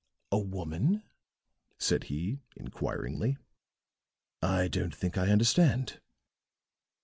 "A woman?" said he, inquiringly. "I don't think I understand."